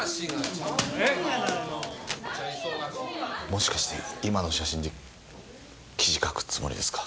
もしかして今の写真で記事書くつもりですか？